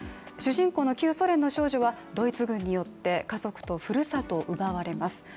主人公の旧ソ連の少女はドイツ軍によって家族とふるさとを奪われます。